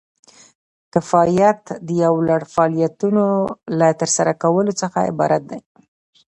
کفایت د یو لړ فعالیتونو له ترسره کولو څخه عبارت دی.